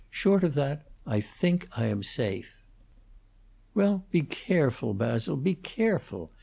Short of that, I think I am safe." "Well, be careful, Basil; be careful.